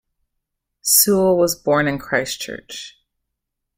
Sewell was born in Christchurch.